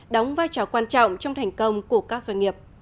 đóng vai trò quan trọng trong thành công của các doanh nghiệp